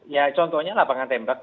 ya contohnya lapangan tembak